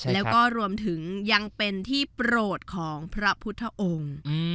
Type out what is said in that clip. แล้วก็รวมถึงยังเป็นที่โปรดของพระพุทธองค์